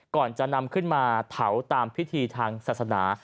ก่อนจะนำขึ้นมาเผาตามพิธีทางศาสนา